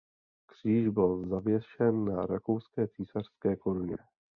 Kříž byl zavěšen na rakouské císařské koruně.